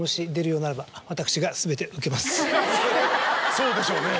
そうでしょうね。